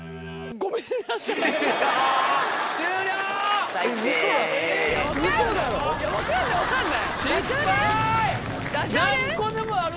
ごめんなさい